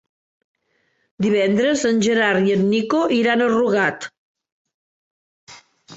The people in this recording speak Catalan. Divendres en Gerard i en Nico iran a Rugat.